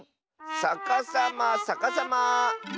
さかさまさかさま。